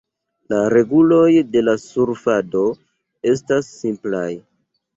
La reguloj de la surfado estas simplaj.